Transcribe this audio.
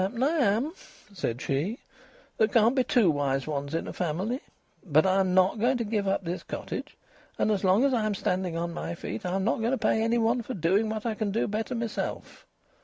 "Happen I am!" said she. "There can't be two wise ones in a family. But I'm not going to give up this cottage, and as long as I am standing on my feet I'm not going to pay any one for doing what I can do better myself."